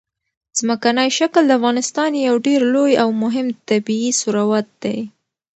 ځمکنی شکل د افغانستان یو ډېر لوی او مهم طبعي ثروت دی.